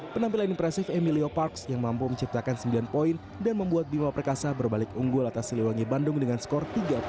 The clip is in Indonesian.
penampilan impresif emilio parks yang mampu menciptakan sembilan poin dan membuat bima perkasa berbalik unggul atas siliwangi bandung dengan skor tiga puluh satu